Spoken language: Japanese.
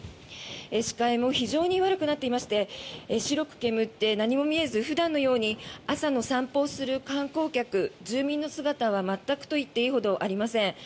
視界も非常に悪くなっていまして白く煙って何も見えず普段のように朝の散歩をする観光客住民の姿は全くと言っていいほどありません。